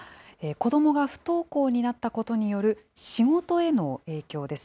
子どもが不登校になったことによる仕事への影響です。